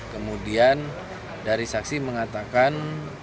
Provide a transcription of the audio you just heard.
kemudian dari saksi mengatakan